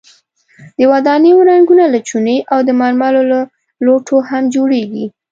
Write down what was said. د ودانیو رنګونه له چونې او د مرمرو له لوټو هم جوړیږي.